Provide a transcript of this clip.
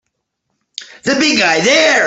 The big guy there!